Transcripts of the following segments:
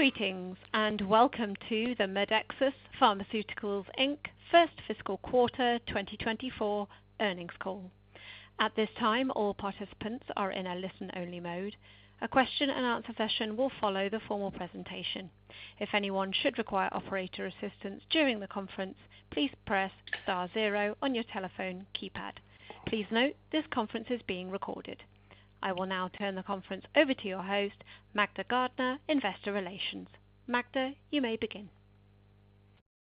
Greetings, and welcome to the Medexus Pharmaceuticals Inc first fiscal quarter 2024 earnings call. At this time, all participants are in a listen-only mode. A question-and-answer session will follow the formal presentation. If anyone should require operator assistance during the conference, please press star zero on your telephone keypad. Please note, this conference is being recorded. I will now turn the conference over to your host, Magda Gardner, Investor Relations. Magda, you may begin.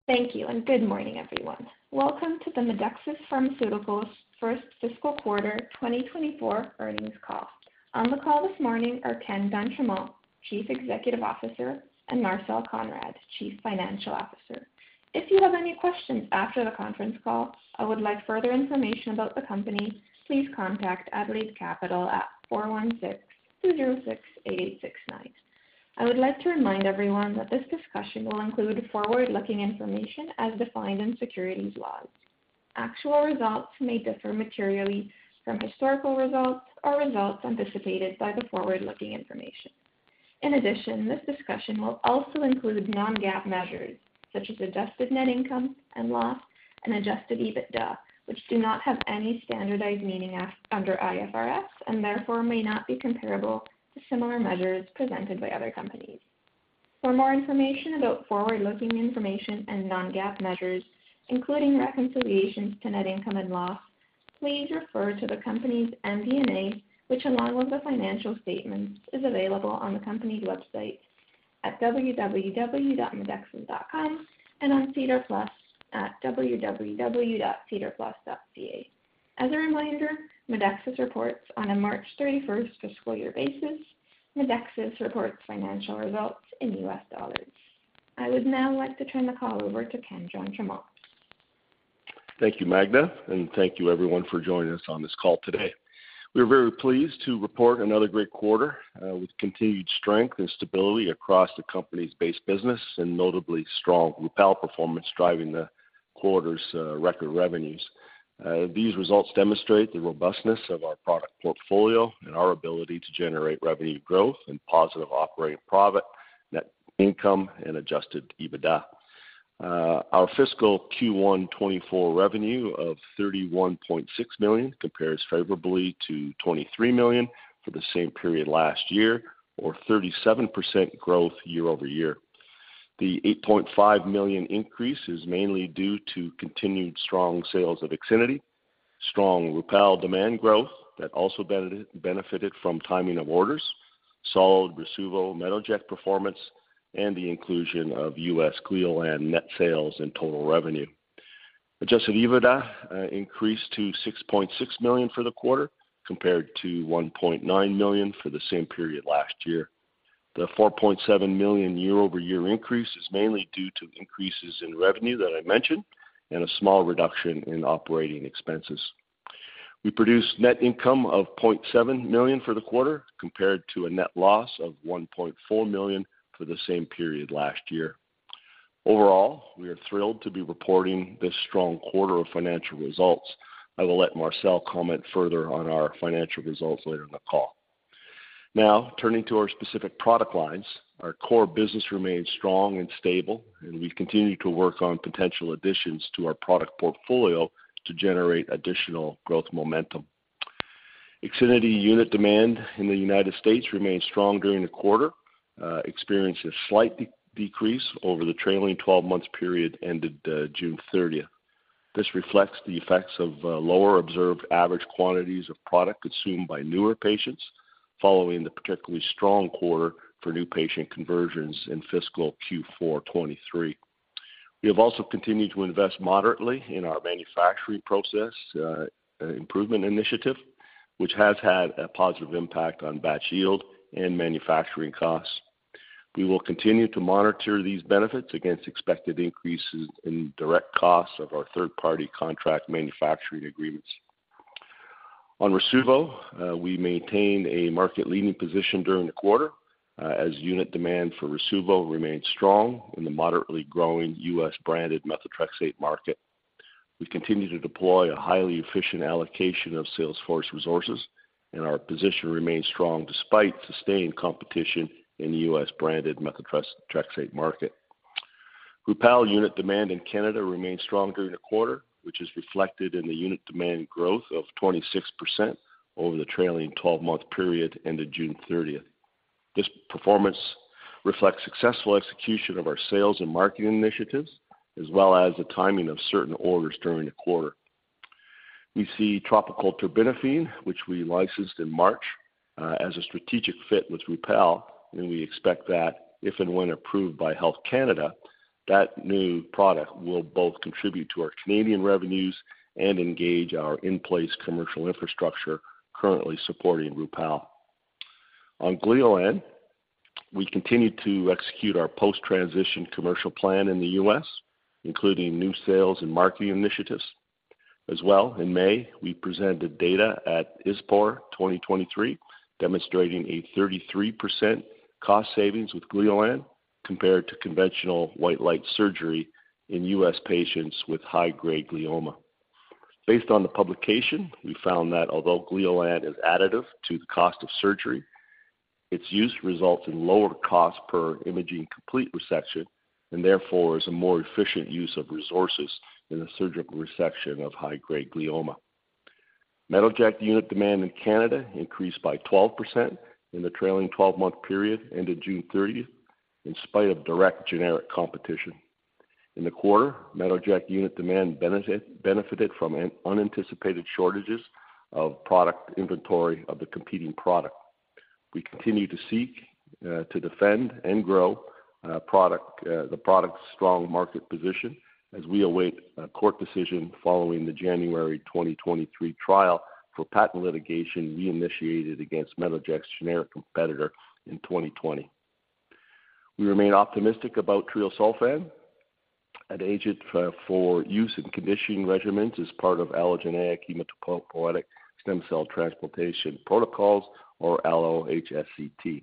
Thank you, and good morning, everyone. Welcome to the Medexus Pharmaceuticals first fiscal quarter 2024 earnings call. On the call this morning are Ken d'Entremont, Chief Executive Officer, and Marcel Konrad, Chief Financial Officer. If you have any questions after the conference call or would like further information about the company, please contact Adelaide Capital at 416-206-8869. I would like to remind everyone that this discussion will include forward-looking information as defined in securities laws. Actual results may differ materially from historical results or results anticipated by the forward-looking information. In addition, this discussion will also include non-GAAP measures such as adjusted net income and loss and adjusted EBITDA, which do not have any standardized meaning as under IFRS and therefore may not be comparable to similar measures presented by other companies. For more information about forward-looking information and non-GAAP measures, including reconciliations to net income and loss, please refer to the company's MD&A, which, along with the financial statements, is available on the company's website at www.medexus.com and on SEDAR+ at www.sedarplus.ca. As a reminder, Medexus reports on a March 31st fiscal year basis. Medexus reports financial results in US dollars. I would now like to turn the call over to Ken d'Entremont. Thank you, Magda, and thank you everyone for joining us on this call today. We are very pleased to report another great quarter, with continued strength and stability across the company's base business and notably strong Rupall performance driving the quarter's record revenues. These results demonstrate the robustness of our product portfolio and our ability to generate revenue growth and positive operating profit, net income, and adjusted EBITDA. Our fiscal Q1 2024 revenue of $31.6 million compares favorably to $23 million for the same period last year or 37% growth year-over-year. The $8.5 million increase is mainly due to continued strong sales of IXINITY, strong Rupall demand growth that also benefited from timing of orders, solid Rasuvo Metoject performance, and the inclusion of U.S. Gleolan net sales and total revenue. Adjusted EBITDA increased to $6.6 million for the quarter, compared to $1.9 million for the same period last year. The $4.7 million year-over-year increase is mainly due to increases in revenue that I mentioned and a small reduction in operating expenses. We produced net income of $0.7 million for the quarter, compared to a net loss of $1.4 million for the same period last year. Overall, we are thrilled to be reporting this strong quarter of financial results. I will let Marcel comment further on our financial results later in the call. Turning to our specific product lines. Our core business remains strong and stable, and we continue to work on potential additions to our product portfolio to generate additional growth momentum. IXINITY unit demand in the United States remained strong during the quarter, experienced a slight de-decrease over the trailing 12-month period ended June 30th. This reflects the effects of lower observed average quantities of product consumed by newer patients, following the particularly strong quarter for new patient conversions in fiscal Q4 2023. We have also continued to invest moderately in our manufacturing process improvement initiative, which has had a positive impact on batch yield and manufacturing costs. We will continue to monitor these benefits against expected increases in direct costs of our third-party contract manufacturing agreements. On Rasuvo, we maintained a market-leading position during the quarter, as unit demand for Rasuvo remained strong in the moderately growing U.S. branded methotrexate market. We continue to deploy a highly efficient allocation of sales force resources, and our position remains strong despite sustained competition in the U.S. branded methotrexate market. Rupall unit demand in Canada remained strong during the quarter, which is reflected in the unit demand growth of 26% over the trailing 12 month period ended June 30th. This performance reflects successful execution of our sales and marketing initiatives, as well as the timing of certain orders during the quarter. We see topical terbinafine, which we licensed in March, as a strategic fit with Rupall, and we expect that, if and when approved by Health Canada, that new product will both contribute to our Canadian revenues and engage our in-place commercial infrastructure currently supporting Rupall. On Gleolan, we continued to execute our post-transition commercial plan in the U.S., including new sales and marketing initiatives. In May, we presented data at ISPOR 2023, demonstrating a 33% cost savings with Gleolan compared to conventional white light surgery in U.S. patients with high-grade glioma. Based on the publication, we found that although Gleolan is additive to the cost of surgery, its use results in lower cost per imaging complete resection, and therefore is a more efficient use of resources in the surgical resection of high-grade glioma. Metoject unit demand in Canada increased by 12% in the trailing 12 month period ended June 30th, in spite of direct generic competition. In the quarter, Metoject unit demand benefited from an unanticipated shortages of product inventory of the competing product. We continue to seek to defend and grow product the product's strong market position as we await a court decision following the January 2023 trial for patent litigation we initiated against Metoject's generic competitor in 2020. We remain optimistic about treosulfan, an agent for use in conditioning regimens as part of allogeneic hematopoietic stem cell transplantation protocols, or allo-HSCT.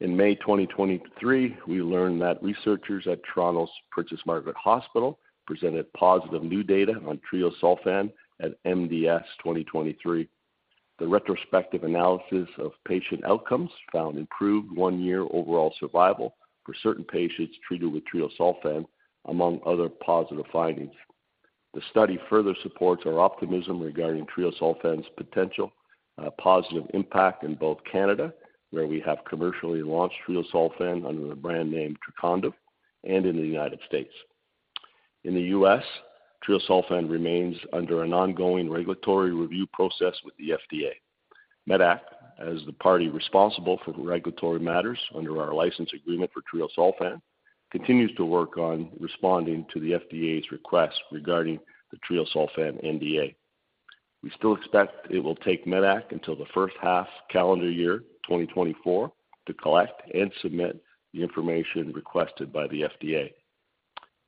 In May 2023, we learned that researchers at Toronto's Princess Margaret Hospital presented positive new data on treosulfan at MDS 2023. The retrospective analysis of patient outcomes found improved one-year overall survival for certain patients treated with treosulfan, among other positive findings. The study further supports our optimism regarding treosulfan's potential positive impact in both Canada, where we have commercially launched treosulfan under the brand name Trecondyv, and in the United States. In the US, treosulfan remains under an ongoing regulatory review process with the FDA. medac, as the party responsible for regulatory matters under our license agreement for treosulfan, continues to work on responding to the FDA's request regarding the treosulfan NDA. We still expect it will take medac until the first half calendar year 2024 to collect and submit the information requested by the FDA.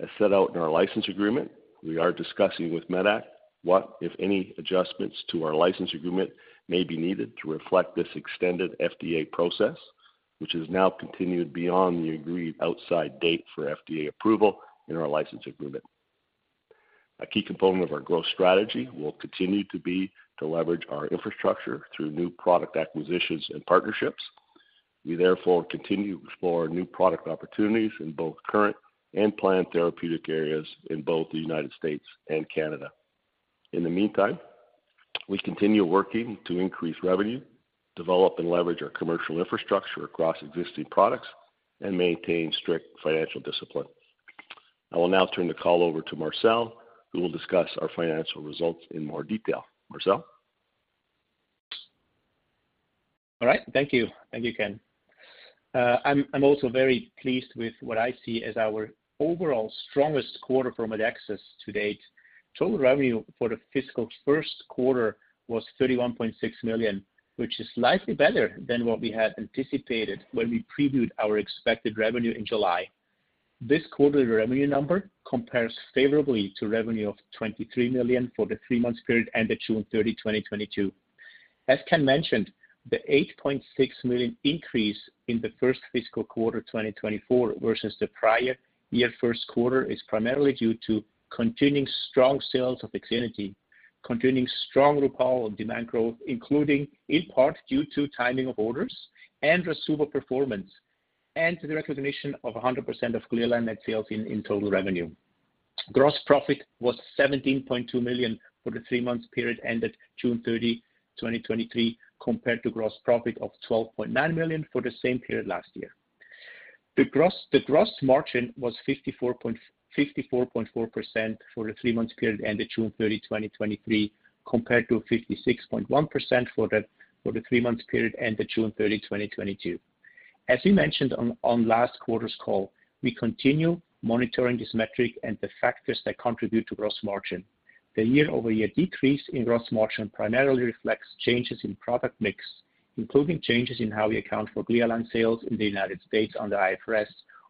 As set out in our license agreement, we are discussing with medac what, if any, adjustments to our license agreement may be needed to reflect this extended FDA process, which has now continued beyond the agreed outside date for FDA approval in our license agreement. A key component of our growth strategy will continue to be to leverage our infrastructure through new product acquisitions and partnerships. We therefore continue to explore new product opportunities in both current and planned therapeutic areas in both the United States and Canada. In the meantime, we continue working to increase revenue, develop and leverage our commercial infrastructure across existing products, and maintain strict financial discipline. I will now turn the call over to Marcel, who will discuss our financial results in more detail. Marcel? All right, thank you. Thank you, Ken. I'm, I'm also very pleased with what I see as our overall strongest quarter for Medexus to date. Total revenue for the fiscal first quarter was $31.6 million, which is slightly better than what we had anticipated when we previewed our expected revenue in July. This quarterly revenue number compares favorably to revenue of $23 million for the three-month period ended June 30, 2022. As Ken mentioned, the $8.6 million increase in the first fiscal quarter, 2024, versus the prior year first quarter, is primarily due to continuing strong sales of IXINITY, continuing strong Rupall and demand growth, including in part due to timing of orders and Rasuvo performance, and to the recognition of 100% of Gleolan net sales in, in total revenue. Gross profit was $17.2 million for the three-month period ended June 30, 2023, compared to gross profit of $12.9 million for the same period last year. The gross margin was 54.4% for the three-month period ended June 30, 2023, compared to 56.1% for the three-month period ended June 30, 2022. As we mentioned on last quarter's call, we continue monitoring this metric and the factors that contribute to gross margin. The year-over-year decrease in gross margin primarily reflects changes in product mix, including changes in how we account for Gleolan sales in the United States on the IFRS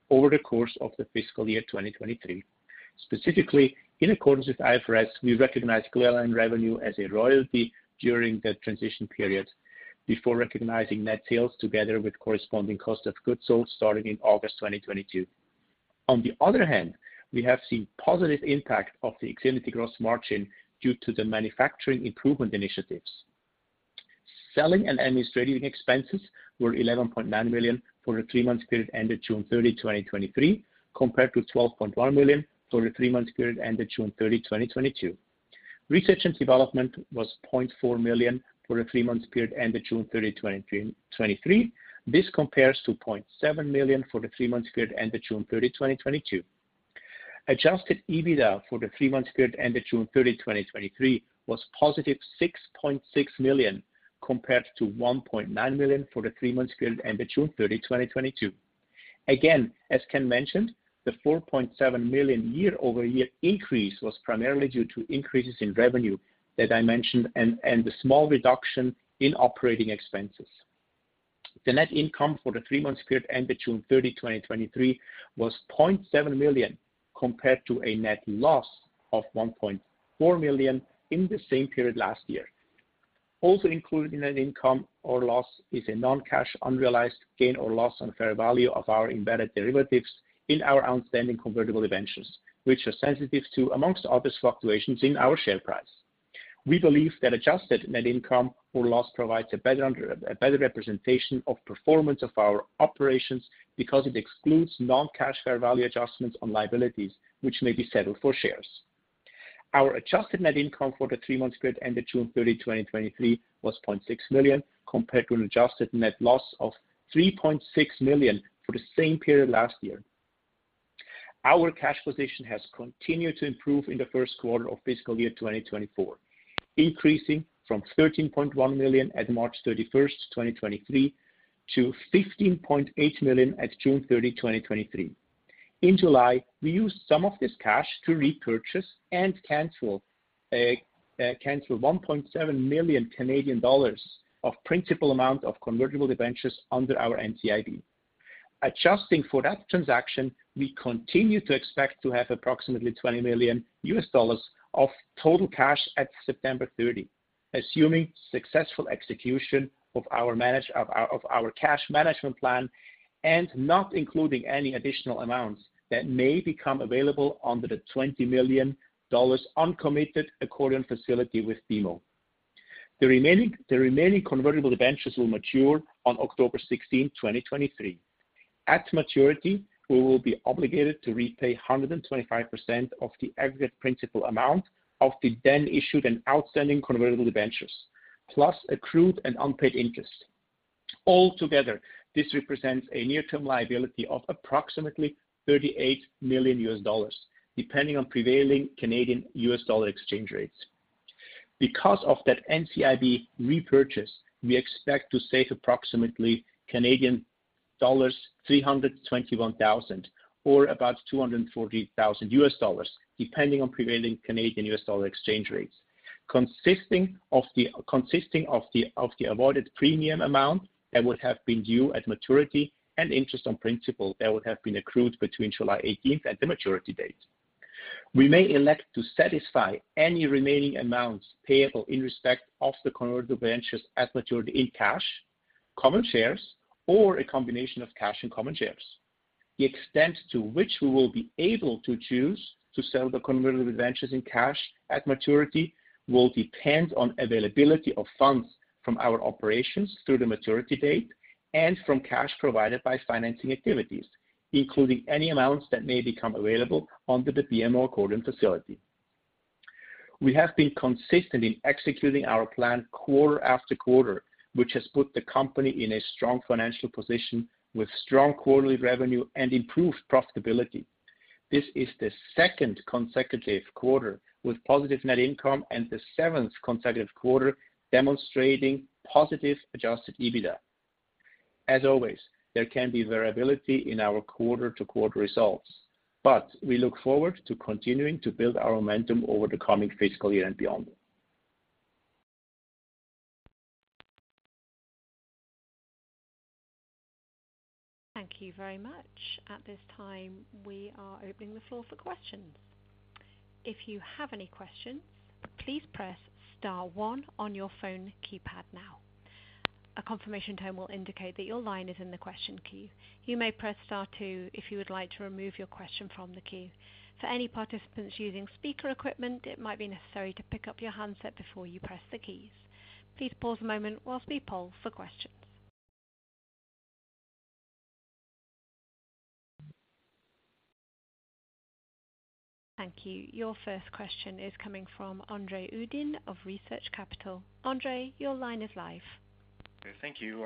over the course of the fiscal year 2023. Specifically, in accordance with IFRS, we recognize Gleolan revenue as a royalty during the transition period, before recognizing net sales together with corresponding cost of goods sold starting in August 2022. On the other hand, we have seen positive impact of the IXINITY gross margin due to the manufacturing improvement initiatives. Selling and administrative expenses were $11.9 million for the three month period ended June 30, 2023, compared to $12.1 million for the three month period ended June 30, 2022. Research and development was $0.4 million for the three month period ended June 30, 2023. This compares to $0.7 million for the three month period ended June 30, 2022. Adjusted EBITDA for the three month period ended June 30, 2023, was positive $6.6 million, compared to $1.9 million for the three month period ended June 30, 2022. Again, as Ken mentioned, the $4.7 million year-over-year increase was primarily due to increases in revenue that I mentioned and the small reduction in operating expenses. The net income for the three month period ended June 30, 2023, was $0.7 million, compared to a net loss of $1.4 million in the same period last year. Also included in net income or loss is a non-cash unrealized gain or loss on fair value of our embedded derivatives in our outstanding convertible debentures, which are sensitive to, amongst other fluctuations in our share price. We believe that adjusted net income or loss provides a better representation of performance of our operations because it excludes non-cash fair value adjustments on liabilities, which may be settled for shares. Our adjusted net income for the three months period ended June 30, 2023, was $0.6 million, compared to an adjusted net loss of $3.6 million for the same period last year. Our cash position has continued to improve in the fist quarter of fiscal year 2024, increasing from $13.1 million at March 31, 2023, to $15.8 million at June 30, 2023. In July, we used some of this cash to repurchase and cancel, cancel $1.7 million of principal amount of convertible debentures under our NCIB. Adjusting for that transaction, we continue to expect to have approximately $20 million of total cash at September 30, assuming successful execution of our cash management plan, and not including any additional amounts that may become available under the $20 million uncommitted accordion facility with BMO. The remaining convertible debentures will mature on October 16, 2023. At maturity, we will be obligated to repay 125% of the aggregate principal amount of the then issued and outstanding convertible debentures, plus accrued and unpaid interest. Altogether, this represents a near-term liability of approximately $38 million, depending on prevailing Canadian US dollar exchange rates. Because of that NCIB repurchase, we expect to save approximately $321,000, or about $240,000, depending on prevailing Canadian US dollar exchange rates. Consisting of the avoided premium amount that would have been due at maturity and interest on principal that would have been accrued between July 18th and the maturity date. We may elect to satisfy any remaining amounts payable in respect of the convertible debentures as matured in cash, common shares, or a combination of cash and common shares. The extent to which we will be able to choose to sell the convertible debentures in cash at maturity will depend on availability of funds from our operations through the maturity date and from cash provided by financing activities, including any amounts that may become available under the BMO Accordion facility. We have been consistent in executing our plan quarter after quarter, which has put the company in a strong financial position with strong quarterly revenue and improved profitability. This is the second consecutive quarter with positive net income and the seventh consecutive quarter demonstrating positive adjusted EBITDA. As always, there can be variability in our quarter-to-quarter results, but we look forward to continuing to build our momentum over the coming fiscal year and beyond. Thank you very much. At this time, we are opening the floor for questions. If you have any questions, please press star one on your phone keypad now. A confirmation tone will indicate that your line is in the question queue. You may press star two if you would like to remove your question from the queue. For any participants using speaker equipment, it might be necessary to pick up your handset before you press the keys. Please pause a moment whilst we poll for questions. Thank you. Your first question is coming from Andre Uddin of Research Capital. Andre, your line is live. Thank you.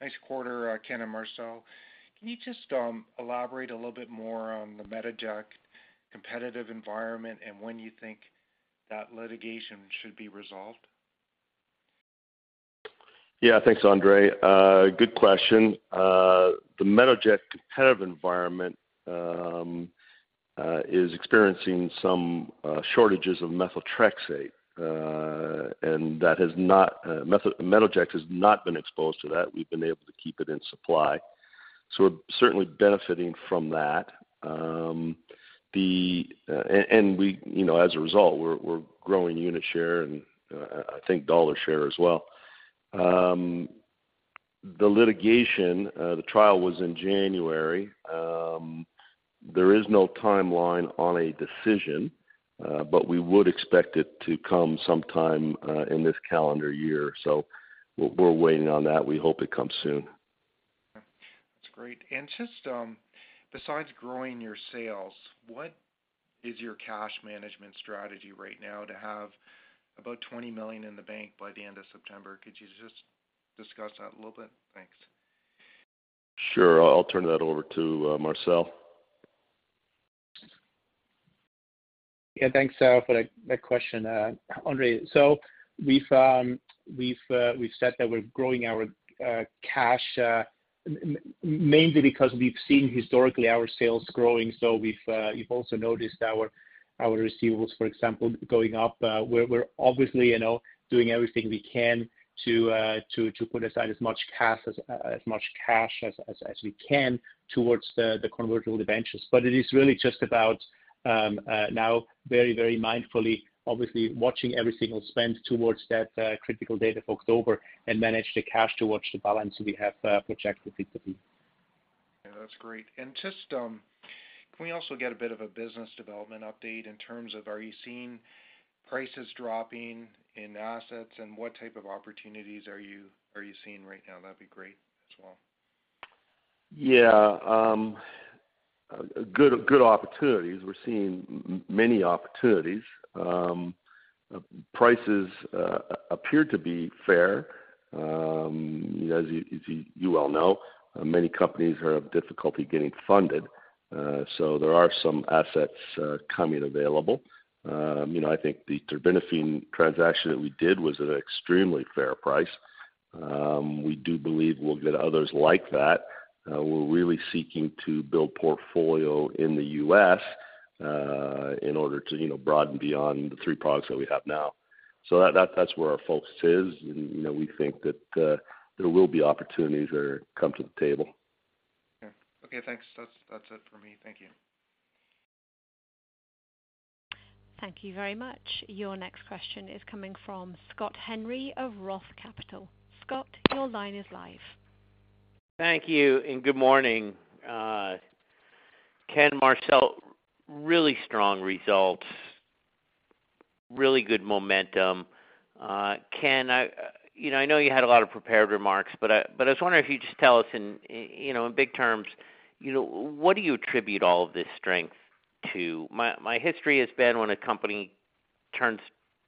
Nice quarter, Ken and Marcel. Can you just elaborate a little bit more on the Metoject competitive environment and when you think that litigation should be resolved? Yeah, thanks, Andre. Good question. The Metoject competitive environment is experiencing some shortages of methotrexate, and Metoject has not been exposed to that. We've been able to keep it in supply, so we're certainly benefiting from that. We, you know, as a result, we're, we're growing unit share and I think dollar share as well. The litigation, the trial was in January. There is no timeline on a decision, but we would expect it to come sometime in this calendar year. We're, we're waiting on that. We hope it comes soon. That's great. Just, besides growing your sales, what is your cash management strategy right now to have about $20 million in the bank by the end of September? Could you just discuss that a little bit? Thanks. Sure. I'll turn that over to Marcel. Yeah, thanks for that, that question, Andre. We've we've said that we're growing our cash mainly because we've seen historically our sales growing. We've you've also noticed our, our receivables, for example, going up. We're, we're obviously, you know, doing everything we can to to put aside as much cash as, as much cash as, as we can towards the convertible debentures. It is really just about now very, very mindfully, obviously, watching every single spend towards that critical date of October and manage the cash towards the balance we have projected it to be. Yeah, that's great. Just, can we also get a bit of a business development update in terms of, are you seeing prices dropping in assets, and what type of opportunities are you, are you seeing right now? That'd be great as well. Yeah, good, good opportunities. We're seeing many opportunities. Prices appear to be fair. As you well know, many companies have difficulty getting funded, there are some assets coming available. You know, I think the terbinafine transaction that we did was at an extremely fair price. We do believe we'll get others like that. We're really seeking to build portfolio in the U.S., in order to, you know, broaden beyond the three products that we have now. That's where our focus is. You know, we think that there will be opportunities that come to the table. Okay, thanks. That's, that's it for me. Thank you. Thank you very much. Your next question is coming from Scott Henry of Roth Capital. Scott, your line is live. Thank you, and good morning. Ken, Marcel, really strong results, really good momentum. Ken, I, you know, I know you had a lot of prepared remarks, but I, but I was wondering if you'd just tell us in, you know, in big terms, you know, what do you attribute all of this strength to? My, my history has been when a company turns,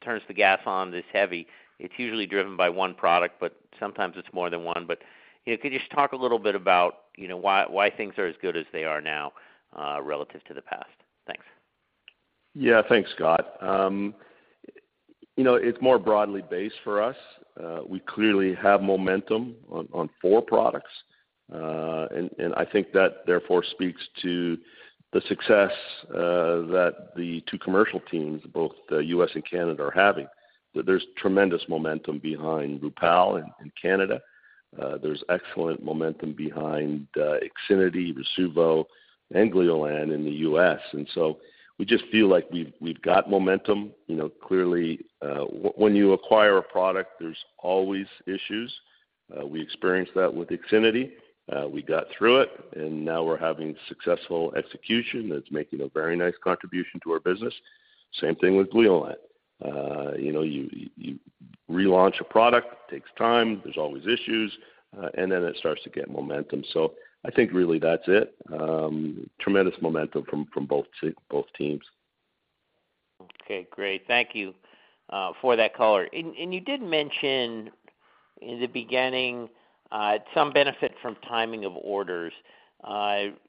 turns the gas on this heavy, it's usually driven by one product, but sometimes it's more than 1. You know, could you just talk a little bit about, you know, why, why things are as good as they are now, relative to the past? Thanks. Yeah. Thanks, Scott. You know, it's more broadly based for us. We clearly have momentum on, on four products, and I think that therefore speaks to the success that the two commercial teams, both the U.S. and Canada, are having. There's tremendous momentum behind Rupall in Canada. There's excellent momentum behind IXINITY, Rasuvo and Gleolan in the U.S. We just feel like we've, we've got momentum. You know, clearly, when you acquire a product, there's always issues. We experienced that with IXINITY. We got through it, and now we're having successful execution that's making a very nice contribution to our business. Same thing with Gleolan. You know, you, you relaunch a product, takes time, there's always issues, and then it starts to get momentum. I think really that's it. Tremendous momentum from, from both both teams. Okay, great. Thank you, for that color. You did mention in the beginning, some benefit from timing of orders.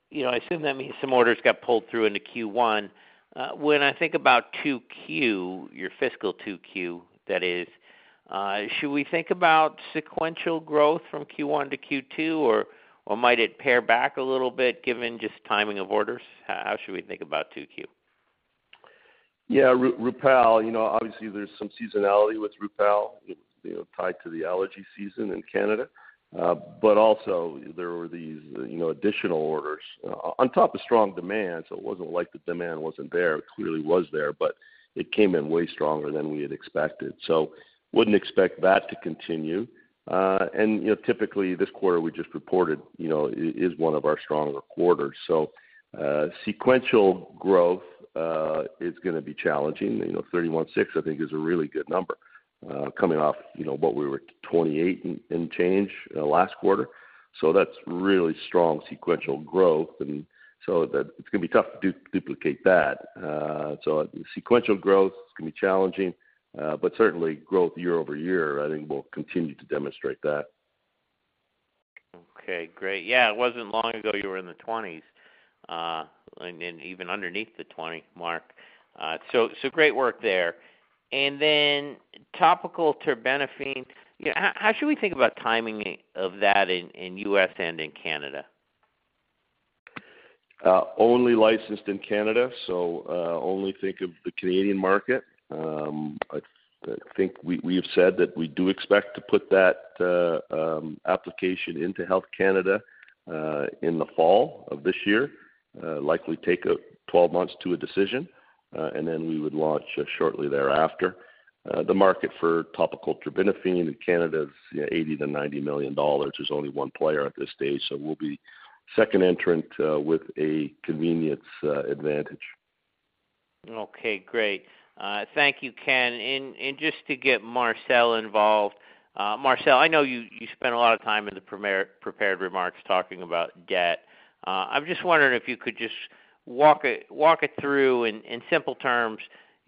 You know, I assume that means some orders got pulled through into Q1. When I think about 2Q, your fiscal 2Q, that is, should we think about sequential growth from Q1 to Q2, or, or might it pare back a little bit, given just timing of orders? How should we think about 2Q? Yeah, Rupall, you know, obviously there's some seasonality with Rupall, you know, tied to the allergy season in Canada. Also there were these, you know, additional orders on top of strong demand, so it wasn't like the demand wasn't there. It clearly was there, it came in way stronger than we had expected. Wouldn't expect that to continue. Typically, this quarter we just reported, you know, is one of our stronger quarters. Sequential growth is gonna be challenging. You know, 31.6, I think, is a really good number, coming off, you know, what we were 28 and change last quarter. That's really strong sequential growth, so that it's gonna be tough to duplicate that. Sequential growth is gonna be challenging, but certainly growth year-over-year, I think we'll continue to demonstrate that. Okay, great. Yeah, it wasn't long ago you were in the 20s, and then even underneath the 20 mark. So, so great work there. Then topical terbinafine, yeah, how, how should we think about timing of that in, in US and in Canada? Only licensed in Canada, only think of the Canadian market. I, I think we, we have said that we do expect to put that application into Health Canada in the fall of this year. Likely take a 12 months to a decision, and then we would launch shortly thereafter. The market for topical terbinafine in Canada is $80 million-$90 million. There's only one player at this stage, so we'll be second entrant, with a convenience advantage. Okay, great. Thank you, Ken. Just to get Marcel involved, Marcel, I know you, you spent a lot of time in the prepared remarks talking about debt. I'm just wondering if you could just walk it, walk it through in, in simple terms,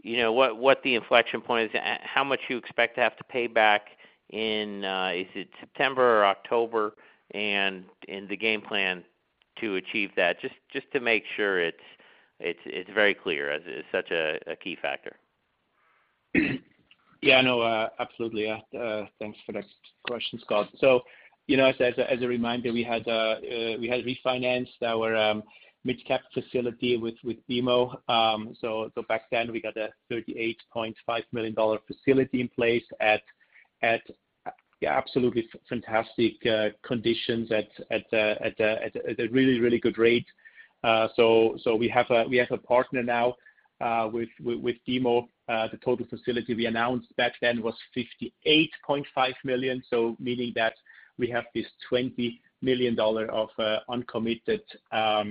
you know, what, what the inflection point is, how much you expect to have to pay back in, is it September or October? The game plan to achieve that, just, just to make sure it's, it's, it's very clear, as it's such a, a key factor. Yeah, I know. absolutely. thanks for that question, Scott. You know, as a, as a reminder, we had we had refinanced our MidCap facility with, with BMO. so, so back then, we got a $38.5 million facility in place at, at, absolutely fantastic conditions at, at a, at a, at a really, really good rate. a, we have a partner now, uh, with, with, with BMO. Uh, the total facility we announced back then was $58.5 million, so meaning that we have this $20 million of, uh, uncommitted, uh,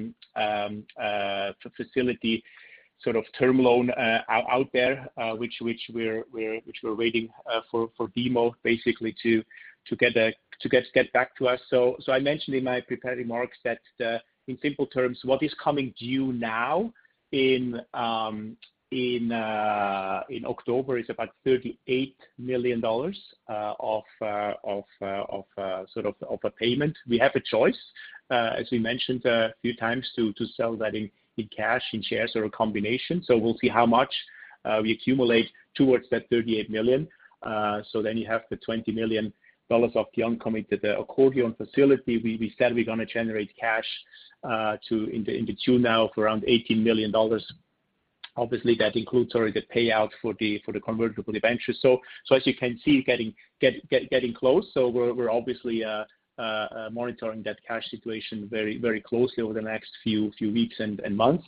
facility, sort of term loan, uh, out there, uh, which, which we're, which we're waiting, uh, for, for BMO, basically to, to get, get back to us. So, I mentioned in my prepared remarks that, in simple terms, what is coming due now in, in October is about 38 million dollars, of, of, of, sort of, of a payment. We have a choice, as we mentioned a few times, to, to sell that in, in cash, in shares, or a combination We'll see how much we accumulate towards that $38 million. You have the $20 million of the uncommitted accordion facility. We, we said we're gonna generate cash in the tune now of around $18 million. Obviously, that includes already the payout for the convertible debentures. As you can see, getting close. We're, we're obviously monitoring that cash situation very, very closely over the next few weeks and months.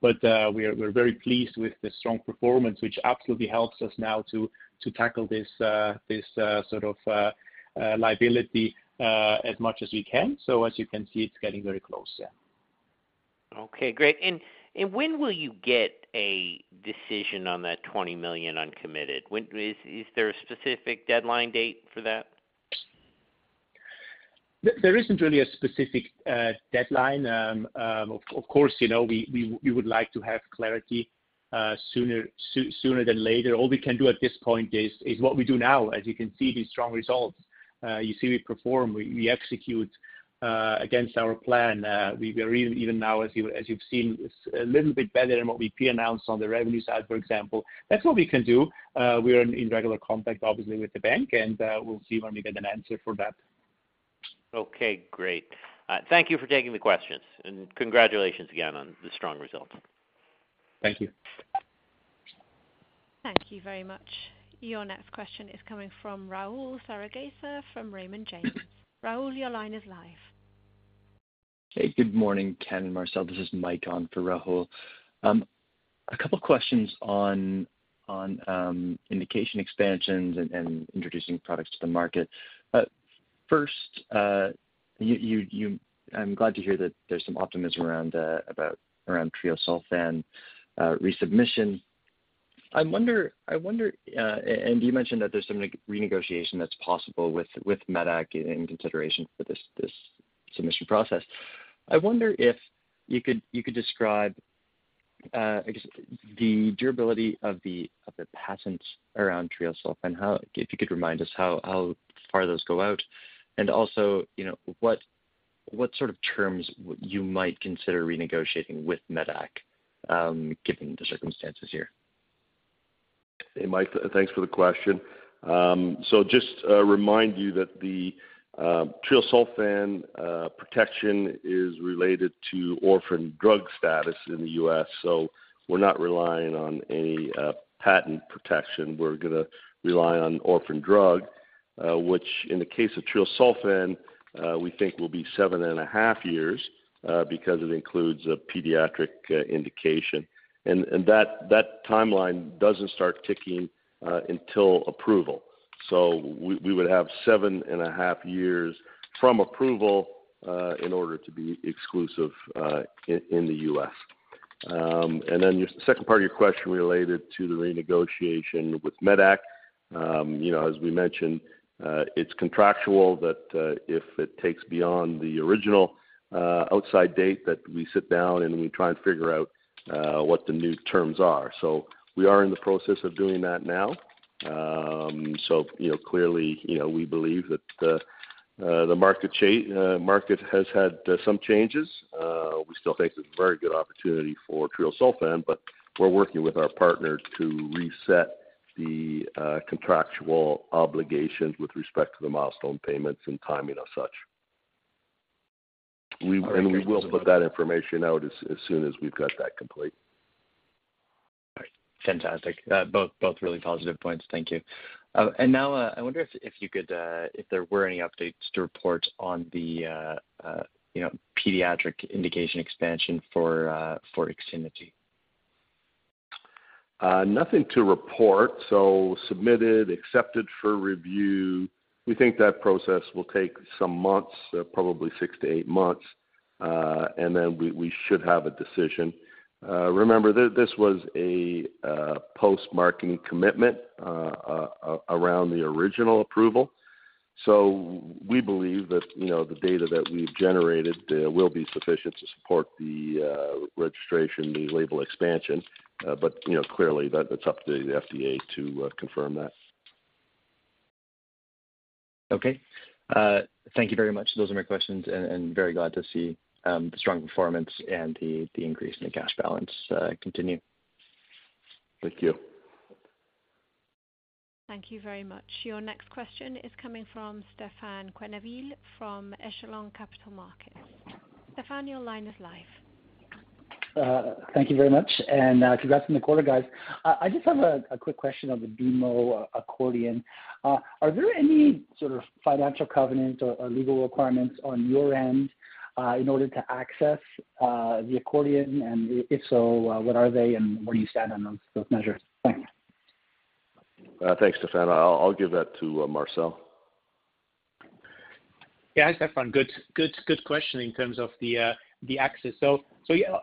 We're very pleased with the strong performance, which absolutely helps us now to tackle this sort of liability as much as we can. As you can see, it's getting very close. Yeah. Okay, great. When will you get a decision on that $20 million uncommitted? Is there a specific deadline date for that? There, there isn't really a specific deadline. Of course, you know, we, we, we would like to have clarity sooner, sooner than later. All we can do at this point is, is what we do now. As you can see, these strong results, you see we perform, we, we execute against our plan. We were even, even now, as you, as you've seen, a little bit better than what we pre-announced on the revenue side, for example. That's what we can do. We are in regular contact, obviously, with the bank, and we'll see when we get an answer for that. Okay, great. Thank you for taking the questions, and congratulations again on the strong results. Thank you. Thank you very much. Your next question is coming from Rahul Sarugaser from Raymond James. Rahul, your line is live. Hey, good morning, Ken and Marcel. This is Mike on for Rahul. A couple questions on, on indication expansions and, and introducing products to the market. First, you, you, you I'm glad to hear that there's some optimism around about, around treosulfan resubmission. I wonder, I wonder and you mentioned that there's some re- renegotiation that's possible with, with medac in consideration for this, this submission process. I wonder if you could, you could describe, I guess, the durability of the, of the patents around treosulfan, how, if you could remind us how, how far those go out, and also, you know, what, what sort of terms would you might consider renegotiating with medac, given the circumstances here? Hey, Mike, thanks for the question. So just remind you that the treosulfan protection is related to orphan drug status in the U.S., so we're not relying on any patent protection. We're gonna rely on orphan drug, which in the case of treosulfan, we think will be seven and a half years, because it includes a pediatric indication. That, that timeline doesn't start ticking until approval. We, we would have seven and a half years from approval in order to be exclusive in the U.S. Then your second part of your question related to the renegotiation with Medac. You know, as we mentioned, it's contractual that, if it takes beyond the original, outside date, that we sit down, and we try and figure out, what the new terms are. We are in the process of doing that now. You know, clearly, you know, we believe that the, the market has had, some changes. We still think it's a very good opportunity for treosulfan, but we're working with our partners to reset the, contractual obligations with respect to the milestone payments and timing of such. All right. We will put that information out as, as soon as we've got that complete. All right. Fantastic. both, both really positive points. Thank you. and now, I wonder if, if you could, if there were any updates to report on the, you know, pediatric indication expansion for, for IXINITY? Nothing to report. Submitted, accepted for review. We think that process will take some months, probably six to eight months, and then we, we should have a decision. Remember, this, this was a post-marketing commitment around the original approval. We believe that, you know, the data that we've generated, will be sufficient to support the registration, the label expansion. You know, clearly, it's up to the FDA to confirm that. Okay. Thank you very much. Those are my questions, and very glad to see the strong performance and the increase in the cash balance continue. Thank you. Thank you very much. Your next question is coming from Stefan Quenneville, from Echelon Capital Markets. Stefan, your line is live. Thank you very much, and congrats on the quarter, guys. I just have a, a quick question on the BMO accordion. Are there any sort of financial covenants or, or legal requirements on your end, in order to access the accordion? If so, what are they, and where do you stand on those, those measures? Thanks. Thanks, Stefan. I'll, I'll give that to Marcel. Yeah. Hi, Stefan. Good, good, good question in terms of the access. Yeah,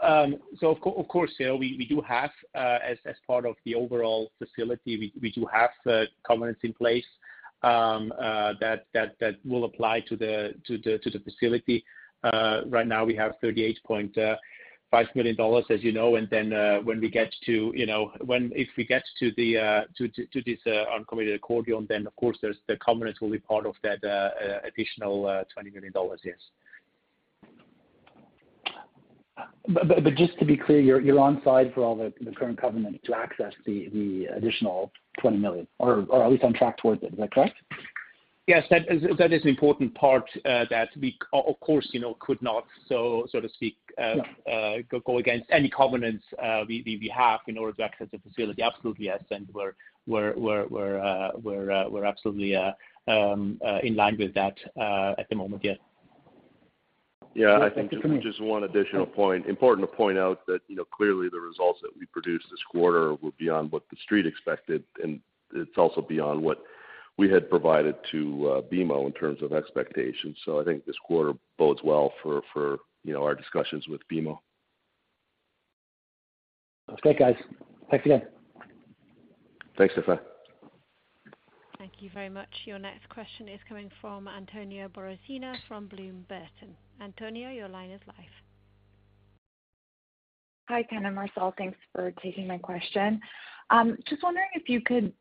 of course, yeah, we, we do have, as, as part of the overall facility, we, we do have covenants in place that, that, that will apply to the, to the, to the facility. Right now, we have $38.5 million, as you know, if we get to the, to, to, to this uncommitted accordion, of course, there's, the covenants will be part of that additional $20 million. Yes. But, but just to be clear, you're, you're on side for all the, the current covenants to access the, the additional $20 million or, or at least on track towards it. Is that correct? Yes, that is, that is an important part, that we of course, you know, could not so to speak, Yeah go, go against any covenants, we, we, we have in order to access the facility. Absolutely, yes, and we're, we're, we're, we're, we're, we're absolutely in line with that at the moment, yeah. Yeah, I think just one additional point. Important to point out that, you know, clearly the results that we produced this quarter were beyond what the street expected, and it's also beyond what we had provided to BMO in terms of expectations. I think this quarter bodes well for, for, you know, our discussions with BMO. Okay, guys. Thanks again. Thanks, Stefan. Thank you very much. Your next question is coming from Antonia Borovina from Bloom Burton. Antonia, your line is live. Hi, Ken and Marcel. Thanks for taking my question. Just wondering if you could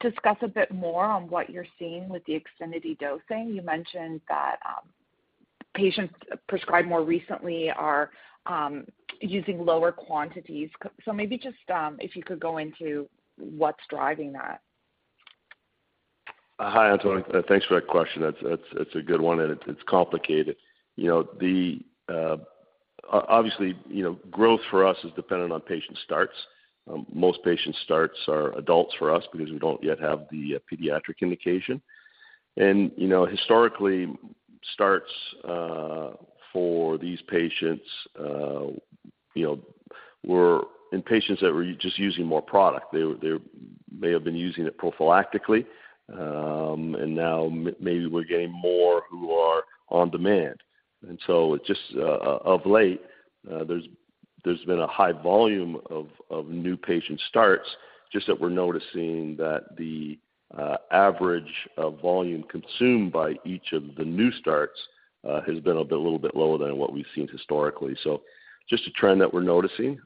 discuss a bit more on what you're seeing with the IXINITY dosing. You mentioned that patients prescribed more recently are using lower quantities. Maybe just if you could go into what's driving that? Hi, Antonia. Thanks for that question. That's, that's, that's a good one, and it's complicated. You know, obviously, you know, growth for us is dependent on patient starts. Most patient starts are adults for us because we don't yet have the pediatric indication. You know, historically, starts for these patients, you know, were in patients that were just using more product. They, they may have been using it prophylactically, and now maybe we're getting more who are on demand. Just of late, there's, there's been a high volume of new patient starts, just that we're noticing that the average volume consumed by each of the new starts has been a bit, little bit lower than what we've seen historically. Just a trend that we're noticing.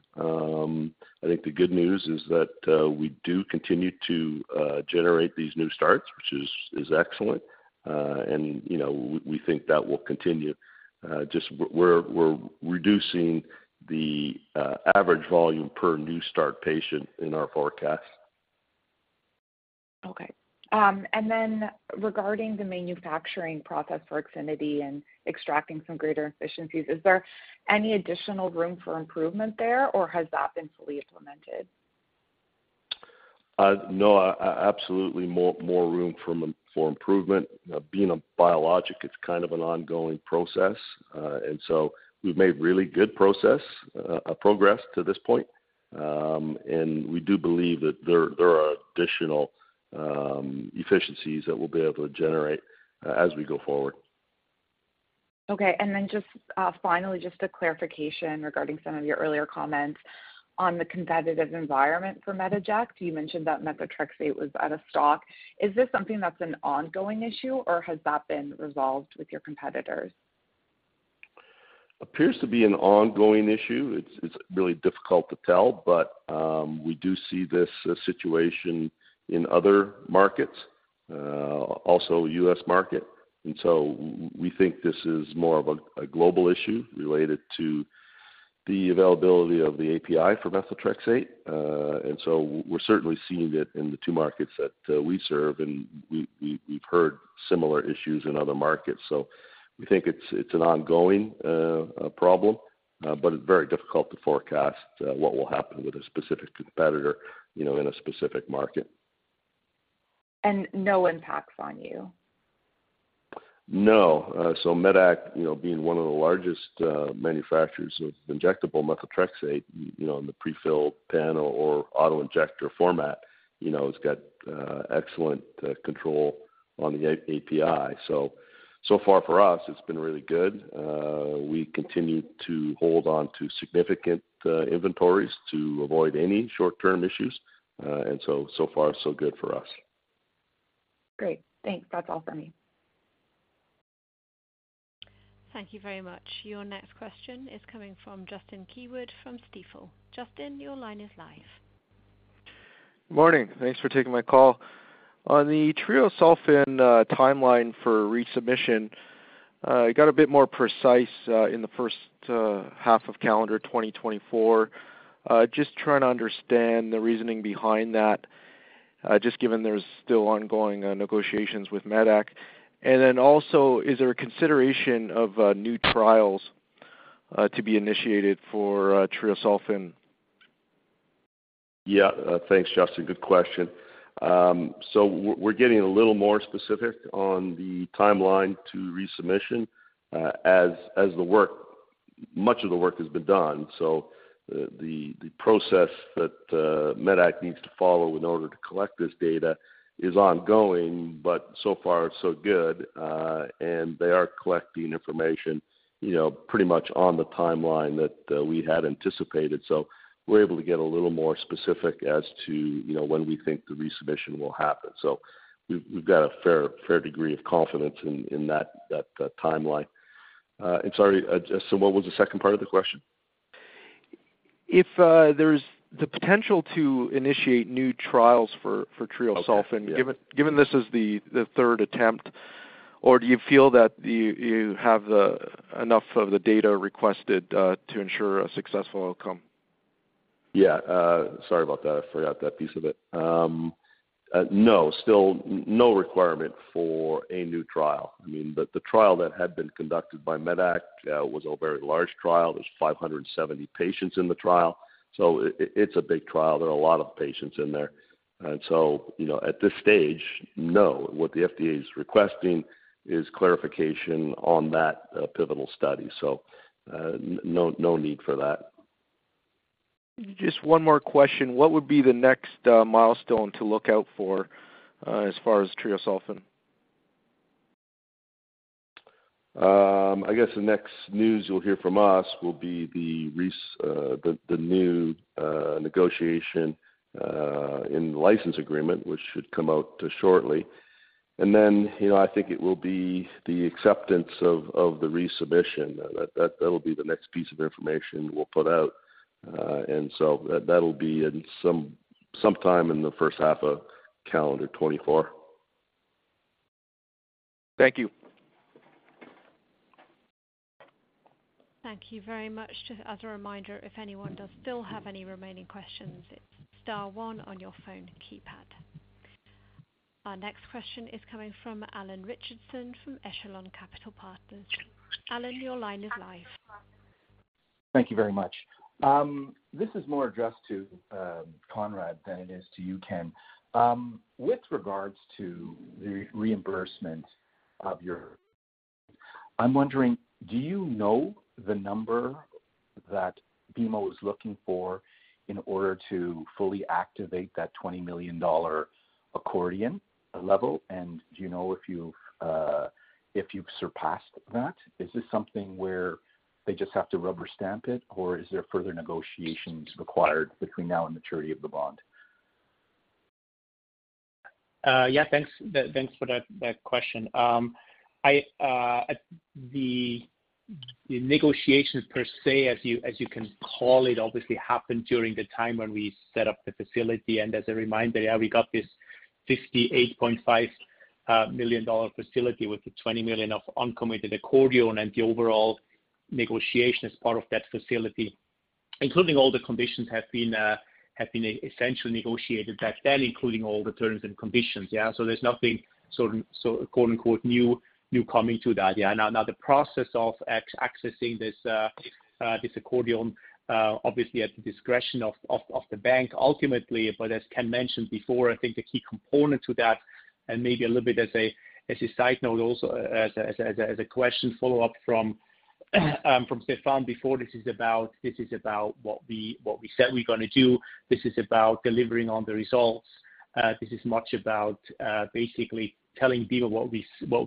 I think the good news is that we do continue to generate these new starts, which is excellent. You know, we, we think that will continue. Just we're, we're, we're reducing the average volume per new start patient in our forecast. Okay. then regarding the manufacturing process for IXINITY and extracting some greater efficiencies, is there any additional room for improvement there, or has that been fully implemented? No, absolutely, more, more room for improvement. Being a biologic, it's kind of an ongoing process. We've made really good process, progress to this point. We do believe that there, there are additional efficiencies that we'll be able to generate as we go forward. Okay. Then just, finally, just a clarification regarding some of your earlier comments on the competitive environment for Metoject. You mentioned that methotrexate was out of stock. Is this something that's an ongoing issue, or has that been resolved with your competitors? Appears to be an ongoing issue. It's, it's really difficult to tell, but we do see this situation in other markets, also U.S. market. We think this is more of a global issue related to the availability of the API for methotrexate. We're certainly seeing it in the two markets that we serve, and we've heard similar issues in other markets. We think it's an ongoing problem, but it's very difficult to forecast what will happen with a specific competitor, you know, in a specific market. No impacts on you? No. So medac, you know, being one of the largest manufacturers of injectable methotrexate, you know, in the pre-filled pen or auto-injector format, you know, has got excellent control on the API. So, so far for us, it's been really good. We continue to hold on to significant inventories to avoid any short-term issues. So far, so good for us. Great. Thanks. That's all for me. Thank you very much. Your next question is coming from Justin Keywood from Stifel. Justin, your line is live. Morning. Thanks for taking my call. On the treosulfan timeline for resubmission, it got a bit more precise in the first half of calendar 2024. Trying to understand the reasoning behind that. Just given there's still ongoing negotiations with medac. Is there a consideration of new trials to be initiated for treosulfan? Yeah, thanks, Justin. Good question. We're, we're getting a little more specific on the timeline to resubmission, as much of the work has been done. The process that medac GmbH needs to follow in order to collect this data is ongoing, but so far, so good. They are collecting information, you know, pretty much on the timeline that we had anticipated. We're able to get a little more specific as to, you know, when we think the resubmission will happen. We've, we've got a fair, fair degree of confidence in, in that, that timeline. Sorry, what was the second part of the question? If, there's the potential to initiate new trials for, for treosulfan. Okay, yeah. Given this is the third attempt, or do you feel that you have enough of the data requested to ensure a successful outcome? Yeah, sorry about that. I forgot that piece of it. No, still no requirement for a new trial. I mean, the, the trial that had been conducted by medac, was a very large trial. There was 570 patients in the trial, so it, it's a big trial. There are a lot of patients in there. You know, at this stage, no. What the FDA is requesting is clarification on that, pivotal study, so, no, no need for that. Just one more question. What would be the next milestone to look out for as far as treosulfan? I guess the next news you'll hear from us will be the new negotiation in the license agreement, which should come out shortly. You know, I think it will be the acceptance of the resubmission. That will be the next piece of information we'll put out. That'll be sometime in the first half of calendar 2024. Thank you. Thank you very much. Just as a reminder, if anyone does still have any remaining questions, it's star one on your phone keypad. Our next question is coming from Alan Richardson from Echelon Capital Partners. Alan, your line is live. Thank you very much. This is more addressed to Konrad than it is to you, Ken. With regards to the reimbursement of your... I'm wondering, do you know the number that BMO is looking for in order to fully activate that $20 million accordion level? Do you know if you've if you've surpassed that? Is this something where they just have to rubber stamp it, or is there further negotiations required between now and maturity of the bond? Yeah, thanks. Thanks for that, that question. The, the negotiations per se, as you, as you can call it, obviously happened during the time when we set up the facility. As a reminder, yeah, we got this $58.5 million facility with the $20 million of uncommitted accordion. The overall negotiation as part of that facility, including all the conditions, have been, have been essentially negotiated back then, including all the terms and conditions. Yeah, there's nothing so, so quote-unquote, "New, new coming to that." Yeah, now, now the process of accessing this, this accordion, obviously at the discretion of, of, of the bank ultimately. As Ken mentioned before, I think the key component to that, and maybe a little bit as a side note, also as a question follow-up from Stefan before, this is about, this is about what we said we're gonna do. This is about delivering on the results. This is much about basically telling people what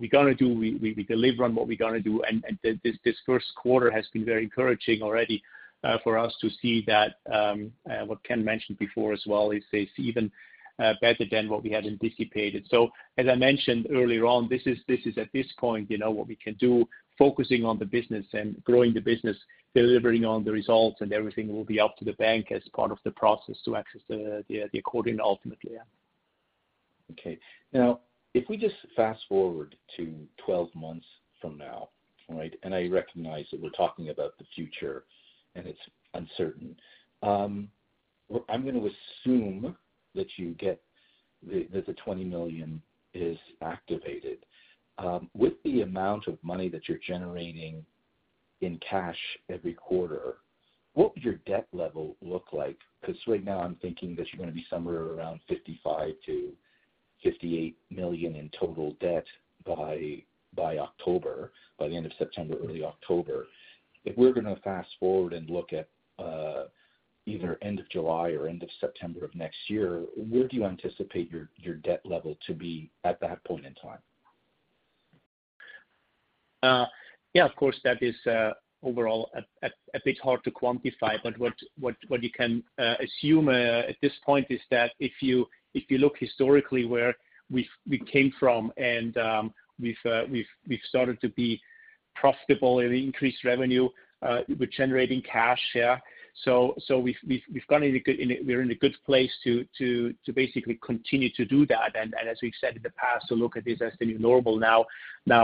we're gonna do. We deliver on what we're gonna do, and this first quarter has been very encouraging already for us to see that what Ken mentioned before as well, is even better than what we had anticipated. As I mentioned earlier on, this is, this is at this point, you know, what we can do, focusing on the business and growing the business, delivering on the results, and everything will be up to the bank as part of the process to access the, the, the accordion ultimately, yeah. Okay. Now, if we just fast-forward to 12 months from now, all right? I recognize that we're talking about the future, and it's uncertain. I'm gonna assume that you get the, that the $20 million is activated. With the amount of money that you're generating in cash every quarter, what would your debt level look like? Because right now, I'm thinking that you're gonna be somewhere around $55 million-$58 million in total debt by, by October, by the end of September, early October. If we're gonna fast forward and look at, either end of July or end of September of next year, where do you anticipate your, your debt level to be at that point in time? Yeah, of course, that is overall a bit hard to quantify. What you can assume at this point, is that if you, if you look historically where we've, we came from, and we've, we've, we've started to be profitable and increased revenue, we're generating cash, yeah. We've, we've, we've gone in a good, we're in a good place to, to, to basically continue to do that. As we've said in the past, to look at this as the new normal now.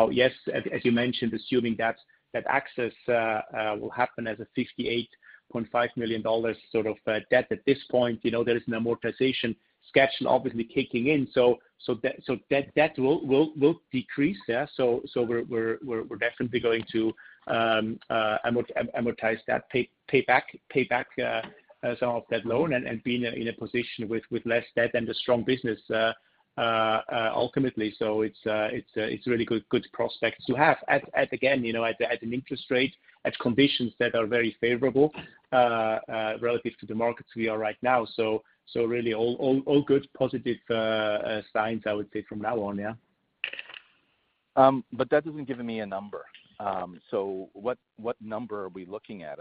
Yes, as you mentioned, assuming that access will happen as a 68.5 million dollars sort of debt at this point, you know, there is an amortization schedule obviously kicking in. Debt, debt will, will, will decrease. Yeah, we're definitely going to amortize that payback some of that loan and being in a position with less debt and a strong business ultimately. It's a really good prospects to have. At again, you know, at an interest rate, at conditions that are very favorable relative to the markets we are right now. Really, all good, positive signs, I would say, from now on, yeah. That doesn't give me a number. What, what number are we looking at?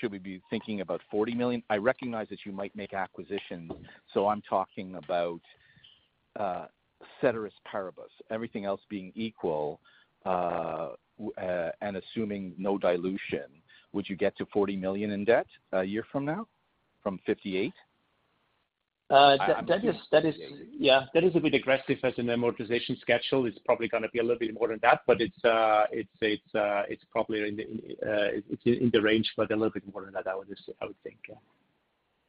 Should we be thinking about $40 million? I recognize that you might make acquisitions, so I'm talking about ceteris paribus, everything else being equal, and assuming no dilution, would you get to $40 million in debt a year from now, from $58 million? Yeah, that is a bit aggressive as an amortization schedule. It's probably gonna be a little bit more than that, but it's, it's, it's probably in the, it's in the range, but a little bit more than that, I would think, yeah.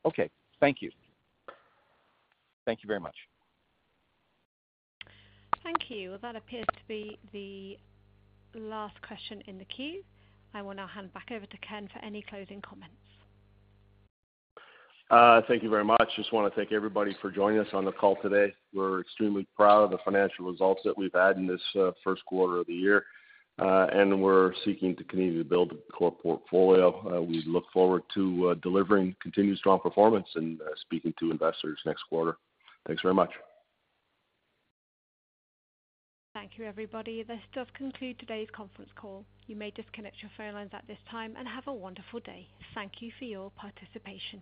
Okay, thank you. Thank you very much. Thank you. Well, that appears to be the last question in the queue. I will now hand back over to Ken for any closing comments. Thank you very much. Just wanna thank everybody for joining us on the call today. We're extremely proud of the financial results that we've had in this, first quarter of the year. We're seeking to continue to build the core portfolio. We look forward to delivering continued strong performance and speaking to investors next quarter. Thanks very much. Thank you, everybody. This does conclude today's conference call. You may disconnect your phone lines at this time, and have a wonderful day. Thank you for your participation.